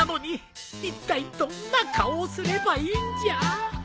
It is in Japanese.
いったいどんな顔をすればいいんじゃ